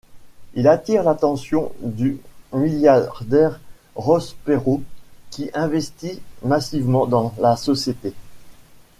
Il attire l’attention du milliardaire Ross Perot qui investit massivement dans la société.